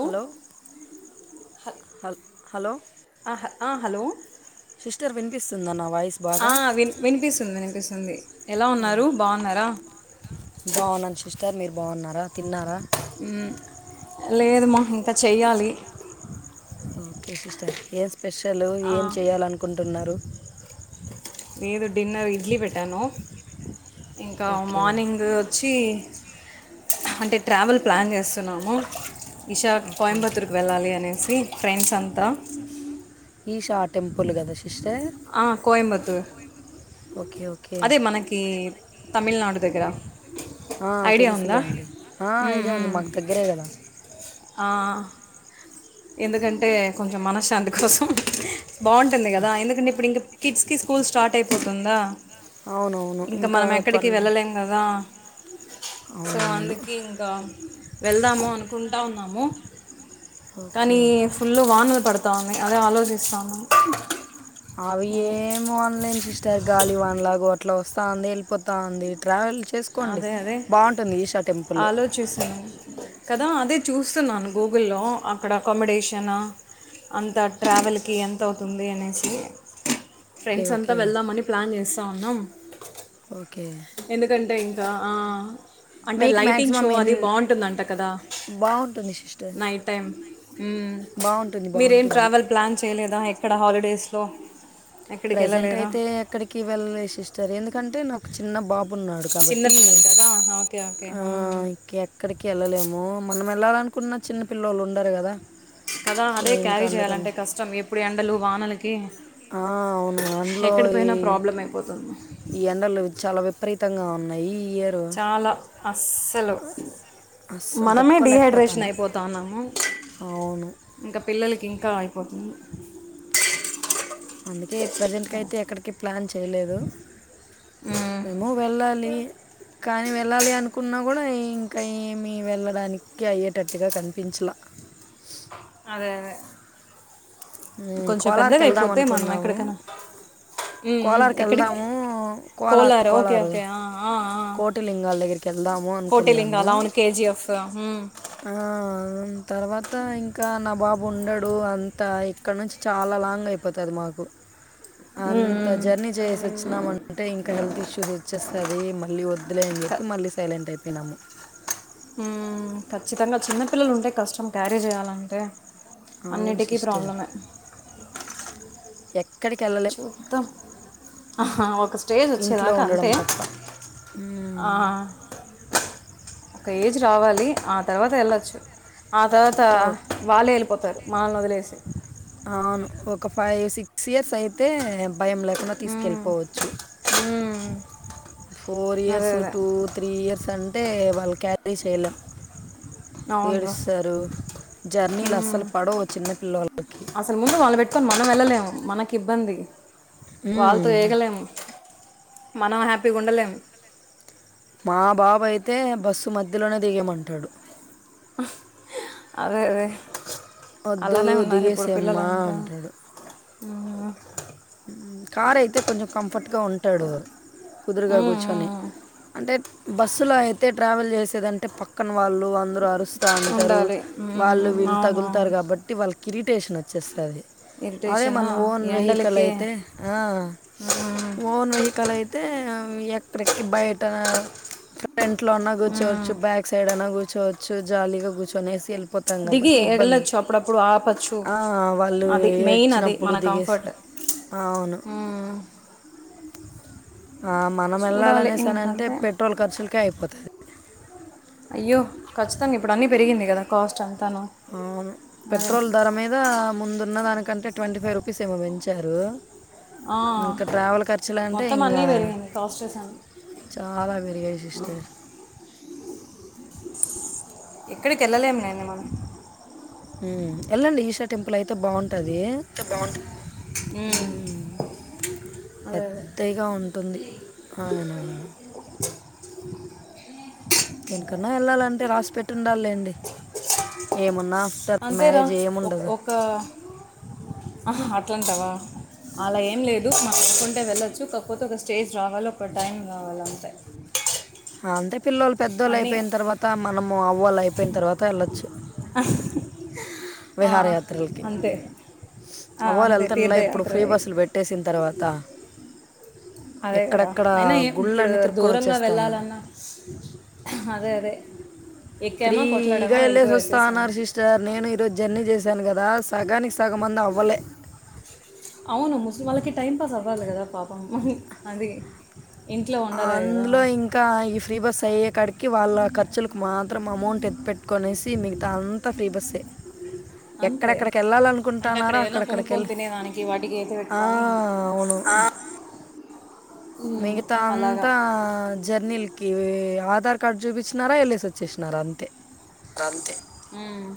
Hello హ hello ఆ హ ఆ హలో సిస్టర్ వినిపిస్తుంద నా వాయిస్ బాగా ఆ విన్ వినిపిస్తుంది వినిపిస్తుంది ఎలా ఉన్నారు బాగున్నారా బాగున్నాను సిస్టర్ మీరు బాగున్నారా తిన్నారా లేదు మా ఇంకా చేయాలి ఓకే సిస్టర్ ఏం స్పెషల్ ఏం చేయాలనుకుంటున్నారు లేదు డిన్నర్ ఇడ్లీ పెట్టాను ఇంకా ఓకే మార్నింగ్ వచ్చి అంటే ట్రావెల్ ప్లాన్ చేస్తున్నాము ఈసారి ఓకే ఓకే కోయంబత్తూర్కి వెళ్ళాలి అనేసి ఫ్రెండ్స్ అంతా ఈషా టెంపుల్ కదా సిస్టర్ ఆ కోయంబత్తూర్ ఓకే ఓకే అదే మనకి తమిళనాడు దగ్గరా తెలుసులేండి మ్మ్, ఐడియా ఉంది మ్మ్. మాకు దగ్గరే కదా ఆ ఎందుకంటే కొంచెం మనశ్శాంతి కోసం బాగుంటుంది కదా ఎందుకంటే ఇప్పుడు ఇంకా కిడ్స్ కి స్కూల్ స్టార్ట్ అయిపోతుందా అవునవును ఇంకా మనం ఎక్కడికి ట్వెల్వ్ వెళ్ళలేం కదా సో అవునవును అందుకి ఇంకా వెళ్దాము అనుకుంటా ఉన్నాము ఓకే కానీ ఫుల్ వానలు పడు తావున్నాయి అదే ఆలోచిస్తా ఉన్నాను అవి ఏమి అనలేని సిస్టర్ గాలి వన్లాగ ఇట్లా వస్తాంది ఏళ్ళిపోతా ఉంది ట్రావెల్ చేసుకోండి అదే అదే బాగుంటుంది ఈశా టెంపుల్ ఆలోచిస్తున్నాను కదా అదే చూస్తున్నాను గూగుల్లో అక్కడ అకామిడేషన అంతా ట్రావెల్కి ఎంత అవుతుంది అనేసి ఓకే ఫ్రెండ్స్ అంతా ఓకే వెళ్దామని ప్లాన్ చేస్తా ఉన్నాం ఓకే ఉంట ఇంకా ఆ అంటే మీకు లైటింగ్ మ్యాక్సిమం షో అది ఎన్ని బాగుంటుందంట కదా బాగుంటుంది సిస్టర్ నైట్ టైం ఉమ్ బాగుంటుంది మీరేం బాగుంటుంది ట్రావెల్ ప్లాన్ చేయలేదా ఎక్కడ హాలిడేస్లో ఎక్కడికి ప్రజెంట్ వెళ్ళలేదా అయితే ఎక్కడికి వెళ్ళలే సిస్టర్ ఎందుకంటే నాకు చిన్న బాబు ఉన్నాడు. చిన్న కాబట్టి పిల్లలు కదా ఓకే ఓకే ఆ మ్మ్. ఓకే ఇక్కడికి వెళ్ళలేము మనం వెళ్ళాలినుకున్న చిన్న పిల్లళ్లు ఉండరు కదా కదా సో అదే ఇంకా క్యారీ అందుకని చేయాలంటే కష్టం ఎప్పుడు ఎండలు, వానలకి ఆ అవును అందులో ఎక్కడ ఈ పోయినా ప్రాబ్లం అయిపోతుంది ఈ ఎండలు చాలా విపరీ రతంగా ఉన్నాయి ఈ ఇయరు చాలా అస్సలు అస్సలు మనమే డిహైడ్రేషన్ తట్టుకోలేకపోతాను అయిపోతా ఉన్నాము అవును ఇంకా పిల్లలకి ఇంకా అయిపోతుంది అందుకే ఎప్ ప్రజెంట్కి అయితే ఎక్కడికి ప్లాన్ చేయలేదు మ్మ్. మేము వెళ్ళాలి కానీ వెళ్ళాలి అనుకున్నా కూడా ఇంకా ఏమి వెళ్ళడానికి అయ్యేటట్టుగా కనిపించలా అదే అదే మ్, కొంచెం కోలార్కి పెద్దగా వెళ్దాం అయిపోతే మనం అనుకున్నాము ఎక్కడికనా ఉమ్ ఉమ్ కోలార్కి ఎక్కడికి వెళ్దాము కోలారు ఓకే ఓకే ఆ ఆ కోటిలింగాల దగ్గరికి వెళ్దాము అనుకున్నాను కోటిలింగాలు అవును కె జి ఎఫ్ ఆ తర్వాత ఇంకా నా బాబు ఉండడు అంతా ఇక్కడ నుంచి చాలా లాంగ్ అయిపోతది మాకు అన్ జర్నీ చేసి వచ్చినామ అంటే ఇంకా హెల్త్ ఇష్యూస్ వచ్చేస్తది మళ్ళీ వద్దులే అని చెప్పి మళ్ళీ సైలెంట్ అయి తినము ఉమ్ ఖచ్చితంగా చిన్నపిల్లలు ఉంటే కష్టం క్యారీ చేయాలంటే అవును అన్నిటికీ సిస్టర్ ప్రాబ్లమే ఎక్కడికి వెళ్ళలేం చుత్తం ఆహా ఒక స్టేజ్ ఇంట్లో వచ్చేదాకా ఉండడం అంతే తప్ప మ్మ్. ఒక ఏజ్ రావాలి ఆ తర్వాత ఏళ్ళొచ్చు ఆ తర్వాత ఒక- వాళ్ళే వెళ్ళిపోతారు. మనల్ని వదిలేసి అవును ఒక ఫైవ్ సిక్స్ ఇయర్స్ అయితే భయం లేకుండా ఉమ్. తీసుకెళ్ళిపోవచ్చు మ్మ్. ఫోర్ అదే ఇయర్స్ అదే టూ, త్రీ ఇయర్స్ అంటే వాళ్ళు క్యారీ చేయలేం. అవునరా ఏడుస్తారు జర్నీలు ఉమ్. అస్సలు పడవు ఓ చిన్న పిల్ల ఓలకి తీకొని మనం వెళ్ళలేము మనకి ఇబ్బంది మ్మ్. వాళ్ళతో ఏగలేము మనం హ్యాపీగా ఉండలేము మా బాబా అయితే బస్సు మధ్యలోనే దిగేయమంటాడు అదే అదే వద్దు అల్లనే ఉన్నారు ఇప్పుడు పిల్లలు దిగేసేమ్మా అంతా అంటాడు కార్ అయితే కొంచెం కంఫర్ట్ గా ఉంటాడు. కుదురుగా ఉమ్, కూర్చొని ఉమ్. అంటే బస్సులో అయితే ట్రావెల్ చేసేదంటే పక్కన వాళ్ళు అందరు అరుస్తా అంటారు ఉండాలి వాళ్ళు ఉమ్, వీళ్ళు తగులుతారు అవునవును కాబట్టి వాళ్ళ ఇరిటేషన్ వచ్చేస్తది అదే ఇరిటేషనా మన ఓన్ వె ఎండలకే అయితే ఆ ఉమ్, ఓన్ వెహికల్ అయితే ఎక్కడెకి బయట ఫ్రంట్ లో అన్నా ఉమ్. కూర్చోవచ్చు బ్యాక్ సైడ్ అనా కూర్ కూచోవచ్చు జాలీగా కూర్చొని ఏసిల్ పోతాం దిగి కాబట్టి ఇబ్బంది వెళ్ళొచ్చు అప్పుడప్పుడు ఆపచ్చు ఆ వాళ్ళు అది మెయిన్ అది ఏడ్చినప్పుడు మన దిగేసి కంఫర్ట్ అవును మ్మ్. ఆ మనం చూడాలి వెళ్ళాలనేసన అంటే ఇంకంతే పెట్రోల్ ఖర్చులకే అయిపోతది. అయ్యో ఖచ్చితంగా ఇప్పుడు అన్నీ పెరిగింది కదా కాస్ట్ అంత అవును పెట్రోల్ ధర మీద ముందున్న దానికంటే ట్వంటీ ఫైవ్ రు ట్రీస్ ఏమో పెంచారు. ఆ, ఇంక ట్రావెల్ ఖర్చులంటే మొత్తం ఇంగా అన్నీ పెరిగింది కాస్ట్ అన్ని చాలా పెరిగాయి సిస్టర్ ఎక్కడికెళ్ళలేమ్ మేమ్ హ్మ్ ఏళ్ళండి ఈషా టెంపులయితే బావుంటది. అంత బాగుంటుంది ఉమ్, హ్మ్ హు అదే అదే పెదైగ ఉంటుంది ఆయన దెనికన్నా ఎళ్ళాలంటే రాసిపెట్టి ఉండాలెండి అంతేరా ఒ ఏముండదు ఒక ఆహా తింటవా అలా ఏం లేదు మనం అనుకుంటే వెళ్ళొచ్చు కాక్పోతే ఒక స్టేజ్ రావాలి ఒక టైం కావాలి అంతే అంతే పిల్లోల్ పెద్దోళ్ అన్నీ అయిపోయిన్ తర్వాత మనము అవ్వల్ అయిపోయిన్ తర్వాత ఎళ్ళొచ్చు. ఆ అంతే ఆ, అమ్మవాల్ అంతే ఎళ్తుండ్లే ఇప్పుడు ఫ్రీ తీర్థయాత్ర బస్సులు పెట్టేసిన తర్వాత అదే కదా ఎక్కడెక్కడ అయినా ఏం ఇప్పుడు గుళ్ళన్నీ తిరుక్కొని దూరంగ వచ్చేస్తా ఉన్నారు వెళ్ళాలన్నా అదే అదే ఎక్కామా ఫ్రీగా కొట్లాడామా ఎళ్లేేసి వెళ్ళిపోయి వస్తా వచ్చేసాము అన్నార్ సిస్టర్ నేను ఈరోజు జర్నీ చేస్ చెప్పాన్ గదా సగానికి సగం మంది అవ్వలే అవును ముస్లిం వాళ్ళకి టైం పాస్ అవ్వాలి గదా పాపం అందుకే అందులో ఇంకా ఈ ఫ్రీ బస్ అయ్యే కాడికి వాళ్ళ ఖర్చుల్కు మాత్రం అమౌంట్ ఎత్ పెట్ కొనేసి మిగ్తా అంతా ఫ్రీ బస్సే అంతే ఎక్కడెక్కడికి అంటే అక్కడ ఎళ్ళాలనుకుంటున్నారో ఏదైనా అక్కడక్కడికి ఎళ్ కొనుక్కొని తినేదానికి వాటికి అయితే ఆ పెట్టుకొని అవును ఆ, ఉమ్, మిగతా అలాగా అంతా జర్నీల్కి ఆధార్ కార్డు చూపించినారా ఎళ్ళేసి వచ్చేసినారా అంతే గంతే మ్మ్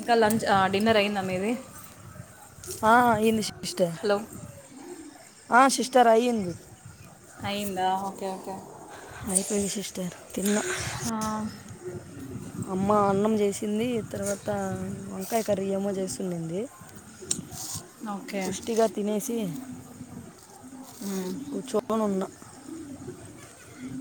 ఇంకా లంచ్ ఆ డిన్నర్ అయిందా మీది ఆ అయింది సిస్టర్ హలో ఆ సిస్టర్ అయింది. అయిందా ఓకే ఓకే అయిపోయింది సిస్టర్ తిన్నా ఆ, అమ్మ అన్నం చేసింది తర్వాత వంకాయ కర్రీ ఈయమ్మ చేస్ వండింది. ఓకే సుష్టిగ తినేసి మ్మ్. కూర్చోనున్న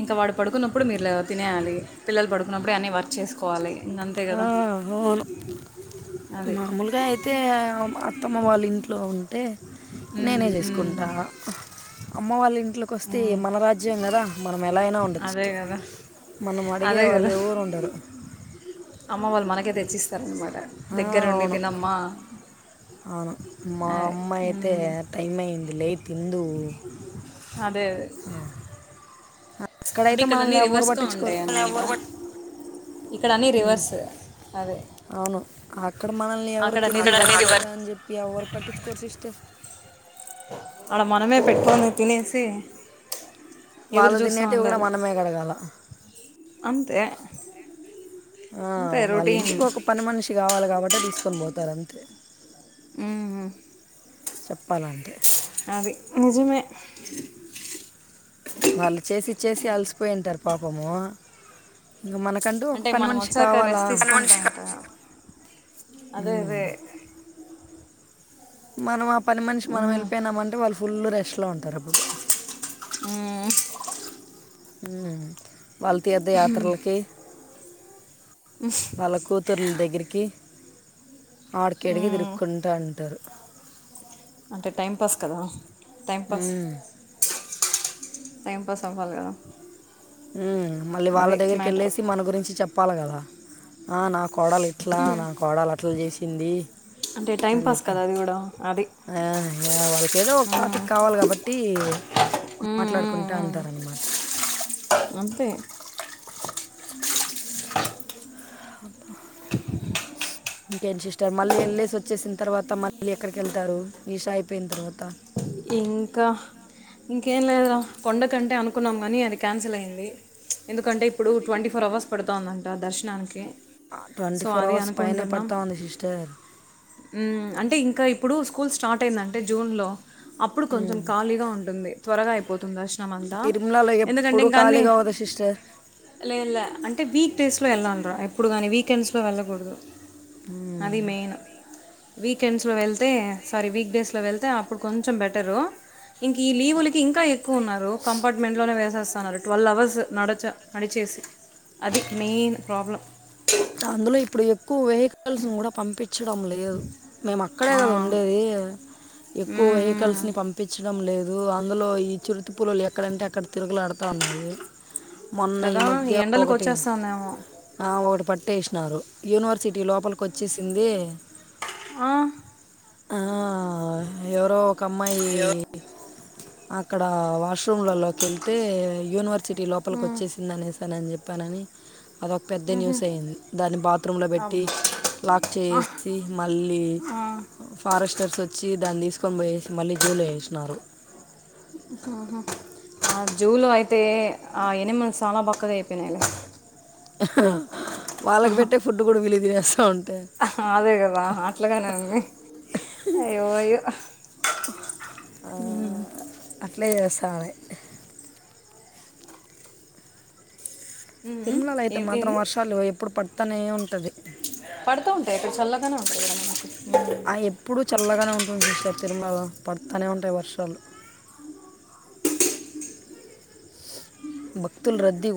ఇంకా వాడు పడుకున్నప్పుడు మెల్లగా తినేయాలి పిల్లలు పడుకున్నప్పుడే అన్నీ వర్క్ చేసుకోవాలి. ఇంకంతే ఆ కదా అవును అది మాములుగ అయితే అత్తమ్మ వాళ్ళ ఇంట్లో ఉంటే ఉమ్, నేనే ఉమ్, చేసుకుంటా అమ్మ వాళ్ళ ఇ ఇంట్లో కొస్తే ఉమ్, మన రాజ్యమే గా అదే గదా మనం అడిగే అదే వాళ్ళు గదా ఎవరు ఉండరు అమ్మ వాళ్ళు మనకే తెచ్చిస్తరు. అవును అవును మా అదే అమ్మ అయితే ఉమ్, టైం అయింది లే అదే [inaudible] "ఆ, అంటే అక్కడైతే ఇక్కడన్నీ మనల్ని ఎవరు రివర్స్గా ఉంటయి పట్టించుకోరు ఇక్కడ అన్ని "ఉమ్, రివర్స్ అదే అవును అక్కడ మనల్ని ఎవరు అక్కడ తి అన్నీ తిన్నార రివర్స్ లేదా అని జేప్పి ఎవరు పట్టించుకోరు సిస్టర్ అడ మనమే పెట్టుకొని తినేసి ఎదురు వాళ్ళు జూస్త తినేటివి కూడా ఉండాలి మనమే కడగాల అంతే ఆ అంతే వాళ్ల ఇంటికి రొటీన్ ఒక పని మనిషి కావాలి గాబట్టి తీసుకొని బోతారు అంతే ఉహూ చెప్పాలంటే అది నిజమే చు చూ పాపమూ అంటే మనం వచ్చాక రెస్ట్ తీసుకుంటాం గదా అదే అదే "ఉమ్, మనవప్ పని మనిషి మనం ఉమ్, ఏళ్ళిపోయినామంటే వాళ్లు ఫుల్ రెస్ట్ లో ఉంటారు అప్పుడు ఉమ్, ఉమ్మ్ వాళ్ తీర్థయాత్రలకి వాళ్ల కూతుర్లా దేగ్గరికి ఆడికిడికి ఉమ్. తిరుకుంటా ఉంటారు అంటే టైం పాస్ కదా టైం పాస్ ఉమ్. టైం పాస్ అవ్వాలి గదా ఉమ్మ్ మళ్లీ వాళ్ల దగ్గరికేళ్ళేసి మన గురించి చెప్పాల గదా ఆ నాక్ కోడలు ఇట్లా నా కోడలట్లా జేసింది అంటే టైం పాస్ కదా అది గూడ అది ఆ యా వాళ్లకేదో ఒక ఉమ్, టాపిక్ కావాలి గాబట్టి ఉమ్, ఉమ్, మాట్లాడుకుంట ఉమ్. అంటారన్నమాట అంతే హబా హూ ఇంకేం సిస్టర్ మళ్లీ ఏళ్లేసి వచ్చేసిన్ తర్వాత మళ్లీ ఎక్కడికి వెళ్తారు నిషా అయిపోయిన్ తర్వాత ఇంకా ఇంకేం లేదురా కొండకంటే అనుకున్నాం గానీ అది క్యాన్సిల్ అయ్యింది మ్చ్ ఎందుకంటే ఇప్పుడు ట్వంటీ ఫోర్ అవర్స్ పెడుతుందంట దర్శనానికి ట్వంటీ సో ఫోర్ అది అవర్స్ పైనే పడతా ఉంది సిస్టర్ ఉమ్మ్ అంటే ఇంకా ఇప్పుడు స్కూల్ స్టార్ట్ అయిందం అంటే జూన్ లో అప్పుడు కొంచెం ఖాళీగా ఉంటుంది త్వరగా అయిపోతుంది అష్ ఆమె అన్నద తిరుమలలో ఎందుకంటే ఎప్పుడు ఇంకా అన్నీ ఖాళీగా అవుతుంది సిస్టర్ లేలే అంటే వీక్ డేస్ లో వెళ్ళరా ఎప్పుడు గానీ వీకెండ్స్ లో వెళ్లగుడదు ఉమ్మ్ వీకెండ్స్లో వెళ్తే సారీ వీక్ డేస్లో వెళ్తే అప్పుడు కొంచెం బెటరు ఇంక ఈ లీవులకి ఇంకా ఎక్కువ ఉన్నారు కంపార్ట్మెంట్ లోనే వేసేస్తున్నారు ట్వెల్వ్ అవర్స్ నడచ నడిచి చేసి అది మెయిన్ ప్రాబ్లమ్ అందులో ఇప్పుడు ఎక్కువ వెహికల్స్ గూడ పంపించ్ పిచ్చడం లేదు మేము అక్కడే ఆ! గదా ఉండేది ఎక్కువ హ్మ్. వెహికల్స్ హ్మ్. ని పంపించడం లేదు అందులో ఈ చిరుత పులులు ఎక్కడంటే అక్కడ తిరుగులడతూ ఉన్నాయి మొన్న ఈ కదా! మధ్య ఒకటి ఎండలకొచ్చేస్తాందేమో. ఆ ఒకటి పట్టి ఏశినారు యూనివర్సిటీ లోపలికి వచ్చేసింది ఆహ్ ఆ ఎవరో ఒక అమ్మాయి అయ్యో అక్కడ వాష్ రూమ్లలోకి వెళ్తే యూనివర్సిటీ లోపలికి ఉమ్, వచ్చేసిందనేసానునని జేప్పానని అదొక్ పెద్ద ఉహు, న్యూస్ అయ్యింద్ దాన్ని బాత్రూమ్లో అబ్- పెట్టి లాక్ ఆ, చేసి మళ్ళీ ఆ, ఫారెస్టర్స్ వచ్చి దాన్ని తీసుకొని పోయేసి మళ్ళీ జూలో వేసినారు ఉహు ఆ జూలో అయితే ఆ ఎయానిమల్ చాలా బక్కగయిపోయినైలే వాళ్ళక్ వేట్టే ఫుడ్ కూడా విలు తినేస్తా ఉంట్ అదే కదా అట్లాగానే ఉంది అయోఅయో అట్లే చేస్తన్నాయి ఉమ్, ఉమ్, తిరుమలలు అయితే ఏ- మాత్రం వర్షాలు ఎప్పుడు పడుతానే ఉంటది పడుతా ఉంటాయి ఇక్కడ చల్లగానే ఉంటుంది మాకు ఆ ఎప్పుడు చల్లగానే ఉంటుంది సిస్టర్ తిరుమలలో పడ్తానే ఉంటాయి వర్షాలు భక్తుల్ రద్దీ ఉ